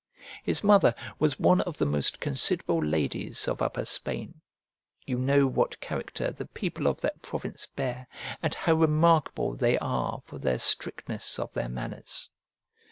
His mother was one of the most considerable ladies of Upper Spain: you know what character the people of that province bear, and how remarkable they are for their strictness of their manners.